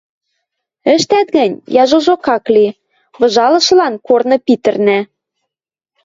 Ӹштӓт гӹнь, яжожок ак ли, выжалышылан корны питӹрнӓ.